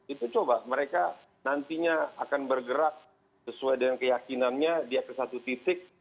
itu coba mereka nantinya akan bergerak sesuai dengan keyakinannya dia ke satu titik